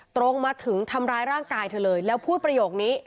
ตรงมาถึงทำร้ายร่างกายเธอเลยแล้วพูดประโยคนี้